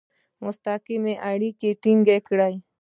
مستقیم اړیکي ټینګ کړي.